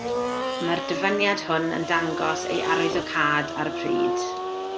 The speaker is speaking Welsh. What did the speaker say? Y mae'r dyfyniad hwn yn dangos ei arwyddocâd ar y pryd.